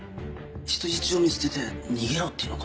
人質を見捨てて逃げろっていうのか？